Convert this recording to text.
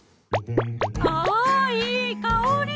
あいい香り！